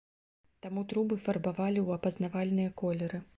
Таму трубы фарбавалі ў апазнавальныя колеры.